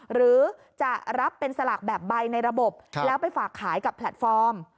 หรือจะรับเป็นสลากแบบใบในระบบแล้วไปฝากขายกับแพลตฟอร์ม